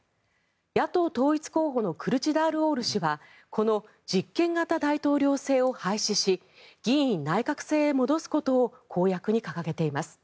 野党統一候補のクルチダルオール氏はこの実権型大統領制を廃止し議院内閣制へ戻すことを公約に掲げています。